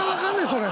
それ。